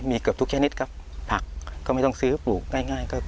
มีเกือบทุกชนิดครับผักก็ไม่ต้องซื้อปลูกง่ายก็